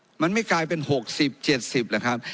มันมันไม่กลายเป็น๖๐๗๐นะครับ